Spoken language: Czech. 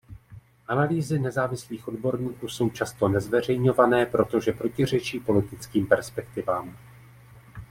Analýzy nezávislých odborníků jsou často nezveřejňované, protože protiřečí politickým perspektivám.